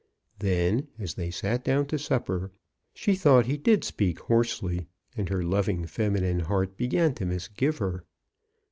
Then, as they sat down to supper, she thought he did speak hoarsely, and her loving feminine heart began to misgive her.